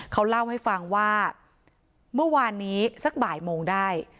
เขาเล่าให้ฟังว่าเมื่อวานนี้สักบ่ายโมงได้